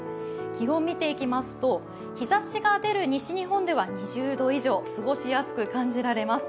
気温を見ていきますと、日ざしが出る西日本では２０度以上、過ごしやすく感じられます。